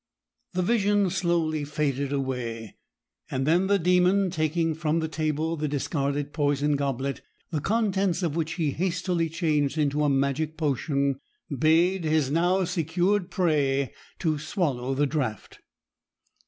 The vision slowly faded away, and then the Demon, taking from the table the discarded poison goblet the contents of which he hastily changed into a magic potion bade his now secured prey to swallow the draught.